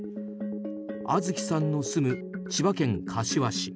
杏月さんの住む千葉県柏市。